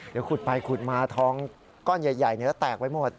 เดี๋ยวขุดไปขุดมาทองก้อนใหญ่แล้วแตกไปหมด